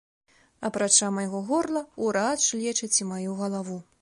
Апрача майго горла ўрач лечыць і маю галаву.